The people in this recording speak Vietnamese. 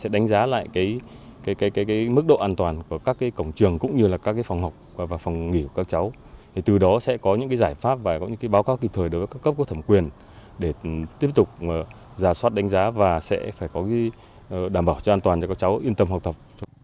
để đảm bảo cho an toàn cho các cháu yên tâm học tập